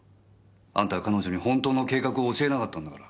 あんたは彼女に本当の計画を教えなかったんだから。